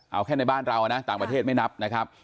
เอาแค่ในบ้านเรานะต่างประเทศไม่นับนะครับ